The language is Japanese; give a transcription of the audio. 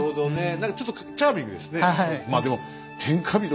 何かちょっとチャーミングですね。